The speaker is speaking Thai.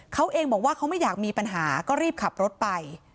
เขาเองบอกว่าเขาไม่อยากมีปัญหาก็รีบขับรถไป